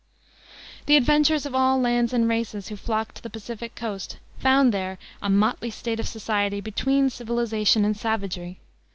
The adventurers of all lands and races who flocked to the Pacific coast found there a motley state of society between civilization and savagery.